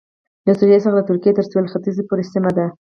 له سوریې څخه د ترکیې تر سوېل ختیځ پورې سیمه ده